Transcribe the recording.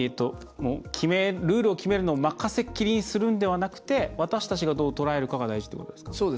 ルールを決めるのも任せきりにするのではなくて私たちがどう捉えるかが大事ってことですか？